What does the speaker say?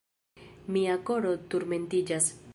Mia koro turmentiĝas.